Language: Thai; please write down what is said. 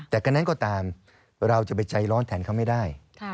แต่กันนั้นก็ตามเราจะไปใจร้อนแทนเขาไม่ได้